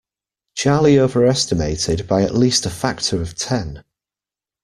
Charlie overestimated by at least a factor of ten.